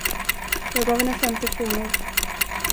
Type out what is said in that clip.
Jag gav henne femtio kronor.